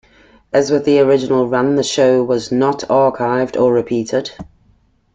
As with the original run the show was not archived or repeated.